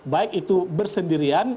baik itu bersendirian